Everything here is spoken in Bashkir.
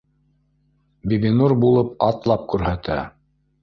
Бибинур булып атлап күрһәтә